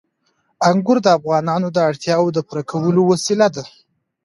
انګور د افغانانو د اړتیاوو د پوره کولو وسیله ده.